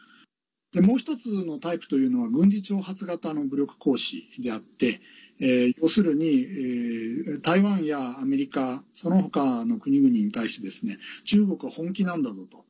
もう１つのタイプというのは軍事挑発型の武力行使であって要するに、台湾やアメリカその他の国々に対して中国、本気なんだぞと。